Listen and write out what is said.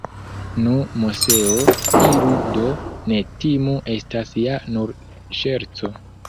Nu, Moseo, iru do, ne timu, estas ja nur ŝerco.